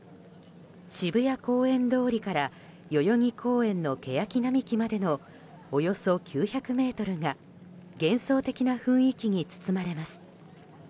渋谷公園通りから代々木公園のケヤキ並木までのおよそ９００ｍが幻想的な雰囲気に包まれます。